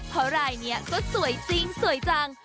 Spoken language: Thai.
เพราะรายนี้ก็สวยจริงสวยจัง